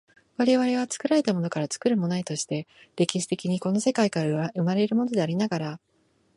我々は作られたものから作るものへとして、歴史的にこの世界から生まれるものでありながら、